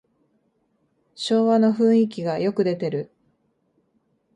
昭和の雰囲気がよく出てる